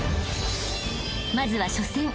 ［まずは初戦］